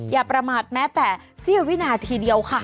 อย่าประมาทแม้แต่เสี้ยววินาทีเดียวค่ะ